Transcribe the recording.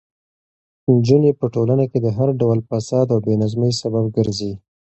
نجونې په ټولنه کې د هر ډول فساد او بې نظمۍ سبب ګرځي.